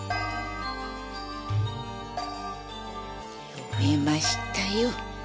読めましたよ